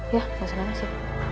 ya gak usah nangis ya